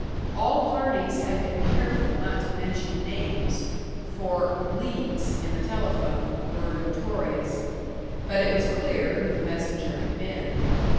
All parties had been careful not to mention names, for "leaks" in the telephone were notorious, but it was clear who the messenger had been.